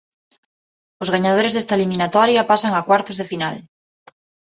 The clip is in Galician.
Os gañadores desta eliminatoria pasan a cuartos de final.